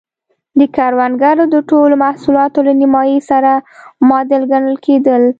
د کروندګرو د ټولو محصولاتو له نییمایي سره معادل ګڼل کېدل.